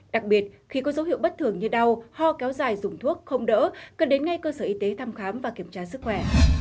đặc biệt khi có dấu hiệu bất thường như đau ho kéo dài dùng thuốc không đỡ cần đến ngay cơ sở y tế thăm khám và kiểm tra sức khỏe